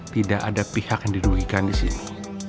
tidak ada pihak yang dirugikan di sini